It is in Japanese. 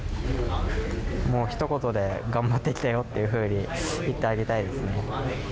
ひと言で頑張ってきたよっていうふうに言ってあげたいですね。